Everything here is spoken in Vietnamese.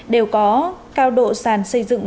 đều có cao độ sàn xây dựng